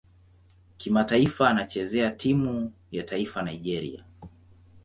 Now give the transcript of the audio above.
Kimataifa anachezea timu ya taifa Nigeria.